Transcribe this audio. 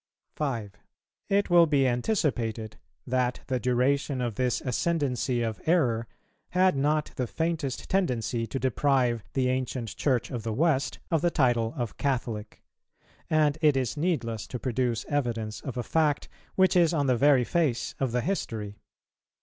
5. It will be anticipated that the duration of this ascendency of error had not the faintest tendency to deprive the ancient Church of the West of the title of Catholic; and it is needless to produce evidence of a fact which is on the very face of the history.